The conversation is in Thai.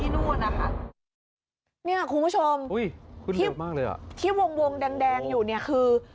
เนี่ยคุณผู้ชมที่วงแดงอยู่เนี่ยคือ